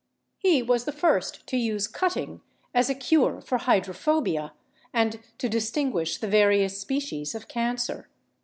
He was the first to use cutting as a cure for hydrophobia, and to distinguish the various species of cancer.